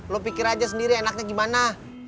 lo pikir aja sendiri enaknya gimana